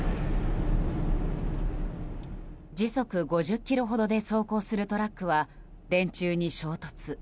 時速５０キロほどで走行するトラックは電柱に衝突。